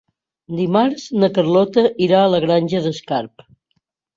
Dimarts na Carlota irà a la Granja d'Escarp.